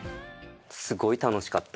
すごい楽しかった。